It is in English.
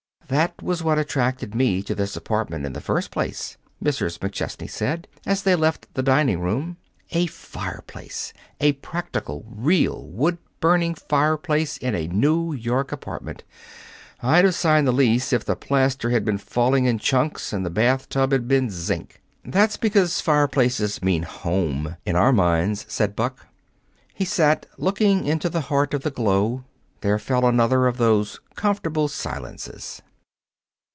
"That was what attracted me to this apartment in the first place," Mrs. McChesney said, as they left the dining room. "A fireplace a practical, real, wood burning fireplace in a New York apartment! I'd have signed the lease if the plaster had been falling in chunks and the bathtub had been zinc." "That's because fireplaces mean home in our minds," said Buck. He sat looking into the heart of the glow. There fell another of those comfortable silences.